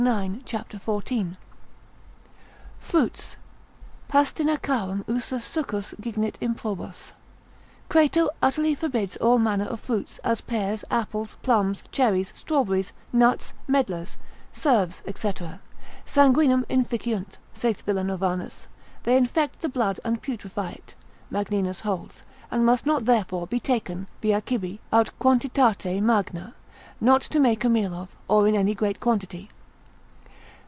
9. cap. 14. Fruits.] Pastinacarum usus succos gignit improbos. Crato, consil. 21. lib. 1, utterly forbids all manner of fruits, as pears, apples, plums, cherries, strawberries, nuts, medlars, serves, &c. Sanguinem inficiunt, saith Villanovanus, they infect the blood, and putrefy it, Magninus holds, and must not therefore be taken via cibi, aut quantitate magna, not to make a meal of, or in any great quantity.